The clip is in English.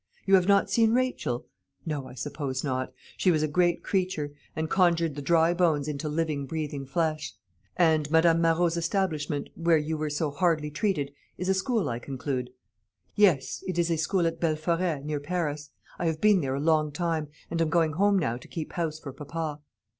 You have not seen Rachel? No, I suppose not. She was a great creature, and conjured the dry bones into living breathing flesh. And Madame Marot's establishment, where you were so hardly treated, is a school, I conclude?" "Yes, it is a school at Belforêt, near Paris. I have been there a long time, and am going home now to keep house for papa."